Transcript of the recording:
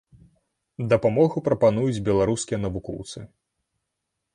Дапамогу прапануюць беларускія навукоўцы.